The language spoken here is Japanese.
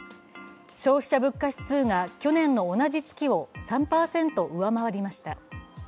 消費者物価指数が去年の同じ月を３％上回りました。